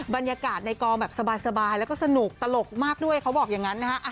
บรรยากาศในกองแบบสบายแล้วก็สนุกตลกมากด้วยเขาบอกอย่างนั้นนะฮะ